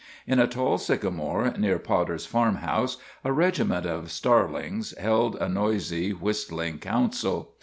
In a tall sycamore near Potter's farmhouse a regiment of starlings held a noisy, whistling council.